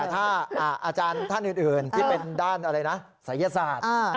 ถ้าอาจารย์ท่านอื่นที่เป็นด้านอะไรนะศัยศาสตร์